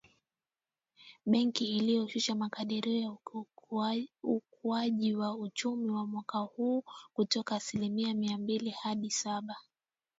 Benki ilishusha makadirio ya ukuaji wa uchumi wa mwaka huu kutoka asili mia mbili hadi saba.